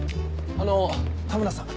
あの田村さん